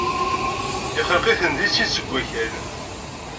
Yexleq-iten di sin seg wakal.